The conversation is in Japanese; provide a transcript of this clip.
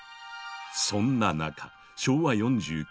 そんな中昭和４９年。